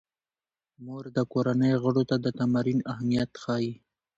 مور د کورنۍ غړو ته د تمرین اهمیت ښيي.